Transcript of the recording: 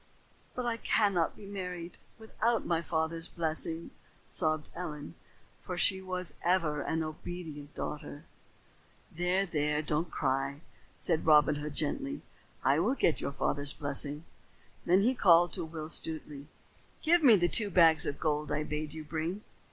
"But I cannot be married without my father's blessing," sobbed Ellen, for she was ever an obedient daughter. "There, there, don't cry," said Robin Hood gently. "I will get your father's blessing." Then he called to Will Stutely. "Give me the two bags of gold I bade you bring."